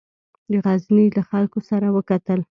د غزني له خلکو سره وکتل.